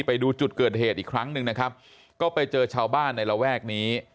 ไปดูจุดเกิดเหตุอีกครั้งหนึ่งนะครับก็ไปเจอชาวบ้านในระแวกนี้